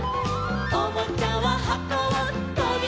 「おもちゃははこをとびだして」